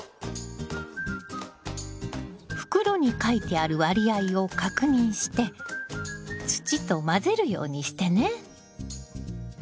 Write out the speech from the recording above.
袋に書いてある割合を確認して土と混ぜるようにしてね。